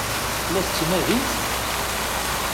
La t-ttnadint?